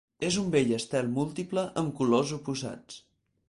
És un bell estel múltiple amb colors oposats.